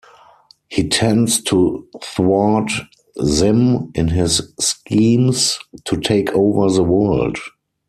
He tends to thwart Zim in his schemes to take over the world.